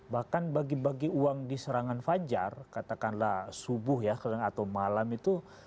bahkan bagi bagi uang di serangan fajar katakanlah subuh ya atau malam itu